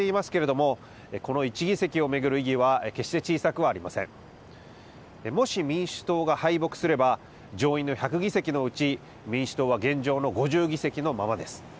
もし、民主党が敗北すれば上院の１００議席のうち民主党は現状の５０議席のままです。